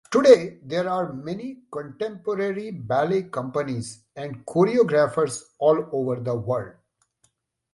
Today there are many contemporary ballet companies and choreographers all over the world.